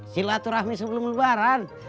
silaturahmi sebelum lebaran